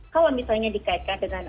kalau misalnya dikaitkan dengan